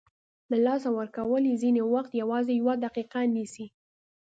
له لاسه ورکول یې ځینې وخت یوازې یوه دقیقه نیسي.